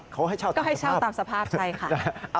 เขาให้เช่าก็ให้เช่าตามสภาพใช่ค่ะ